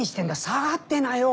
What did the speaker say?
下がってなよ。